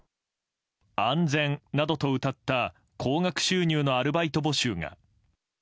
「安全」などとうたった高額収入のアルバイト募集が。